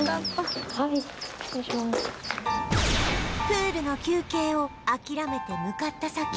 プールの休憩を諦めて向かった先は